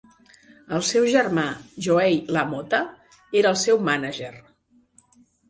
El seu germà Joey LaMotta era el seu mànager.